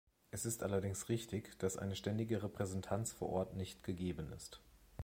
Es ist allerdings richtig, dass eine ständige Repräsentanz vor Ort nicht gegeben ist.